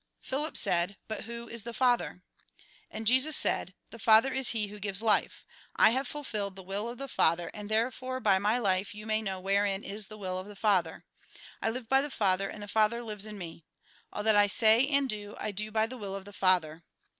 Philip said :" But who is the Father ?" And Jesus said :" The Father is He who gives life. I have fulfilled the will of the Father, and therefore by my life you may know wherein is the will of the Father. I live by the Father, and the Father lives in me. All that I say and do, I do by the will of the Father.